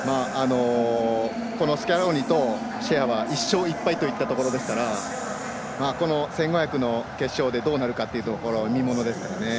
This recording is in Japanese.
このスキャローニとシェアは１勝１敗といったところですからこの１５００の決勝でどうなるか、見ものですね。